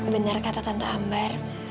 bener kata tante ambar